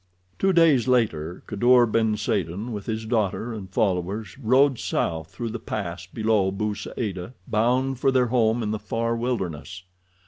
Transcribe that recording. Two days later, Kadour ben Saden, with his daughter and followers, rode south through the pass below Bou Saada, bound for their home in the far wilderness.